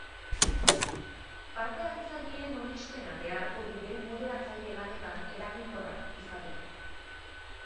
Parte-hartzaileen onespena beharko du bere moderatzaile lanetan eraginkorra izateko.